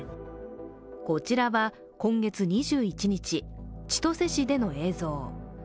こちらは今月２１日千歳市での映像。